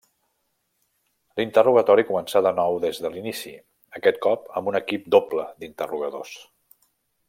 L'interrogatori començà de nou des de l'inici, aquest cop amb un equip doble d'interrogadors.